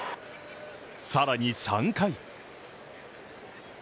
更に３回。